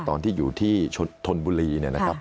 ตอนที่อยู่ที่ทนบุรีนะครับ